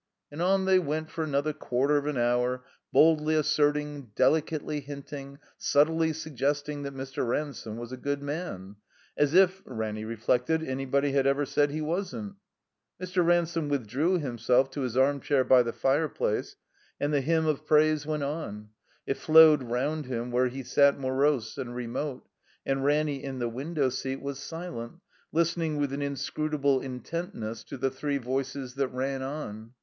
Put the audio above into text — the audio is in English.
And on they went for another quarter of an hour, boldly asserting, delicately hinting, subtly suggesting that Mr. Ransome was a good man; as if, Ranny reflected, anybody had ever said he wasn't. Mr. Ransome withdrew himself to his armchair by the fireplace, and the hymn of praise went on ; it flowed roimd him where he sat morose and remote; and Ranny, in the window seat, was silent, listening with an inscrutable intentness to the three voices that ran on.